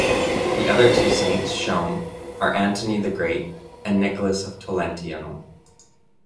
The other two saints shown are Antony the Great and Nicholas of Tolentino.